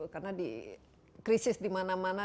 karena di krisis dimana mana